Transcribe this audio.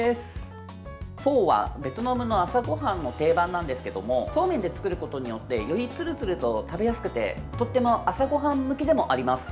フォーはベトナムの朝ごはんの定番なんですけどもそうめんで作ることによってよりツルツルと食べやすくて朝ごはん向けでもあります。